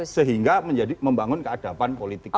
sehingga menjadi membangun keadapan politik kita